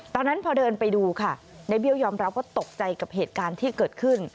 ตอนนั้นพอเดินไปดูค่ะในเบี้ยวยอมรับว่าตกใจกับเหตุการณ์ที่เกิดขึ้น